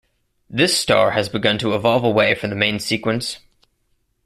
This star has begun to evolve away from the main sequence.